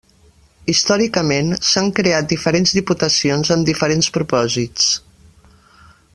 Històricament, s'han creat diferents diputacions amb diferents propòsits.